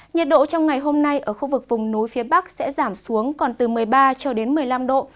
nhiệt độ trong ngày hôm nay ở khu vực vùng núi phía bắc sẽ giảm xuống còn từ một mươi ba cho đến một mươi năm độ